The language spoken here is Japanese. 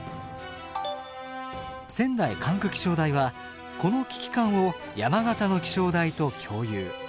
仙台管区気象台はこの危機感を山形の気象台と共有。